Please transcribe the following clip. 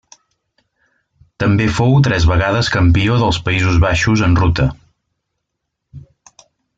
També fou tres vegades campió dels Països Baixos en ruta.